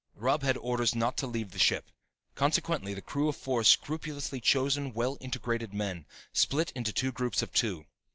Robb had orders not to leave the ship. Consequently, the crew of four scrupulously chosen, well integrated men split into two groups of two.